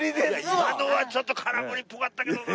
今のはちょっと空振りっぽかったけどな。